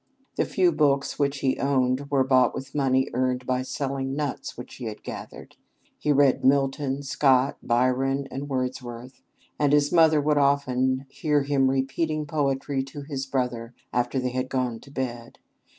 The few books which he owned were bought with money earned by selling nuts which he had gathered. He read Milton, Scott, Byron, and Wordsworth; and his mother would often hear him repeating poetry to his brother after they had gone to bed.